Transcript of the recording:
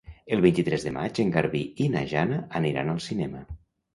El vint-i-tres de maig en Garbí i na Jana aniran al cinema.